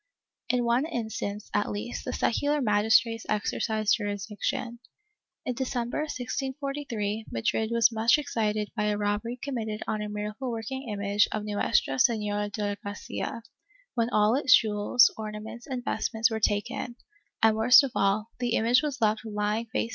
In one instance, at least, the secular magistrates exercised jurisdiction. In December, 1643, Madrid was much excited by a robbery committed on a miracle working image of Nucstra Sefiora de la Gracia, when all its jewels, ornaments and vestments were taken, and worst of all, the image was left lying face down » MSS.